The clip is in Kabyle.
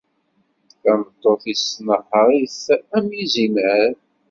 Tameṭṭut-is tnehheṛ-it am yizimer.